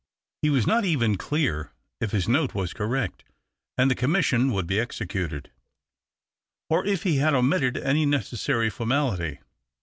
He was not even clear if his note was correct, and the commission would be executed, or if he had omitted any necessary formality.